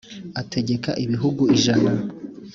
ategeka ibihugu ijana.